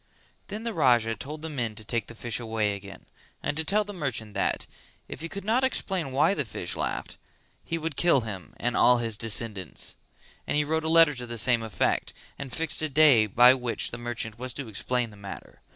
Then the Raja told the men to take the fish away again, and to tell the merchant that, if he could not explain why the fish laughed, he would kill him and all his descendants; and he wrote a letter to the same effect, and fixed a day by which the merchant was to explain the matter.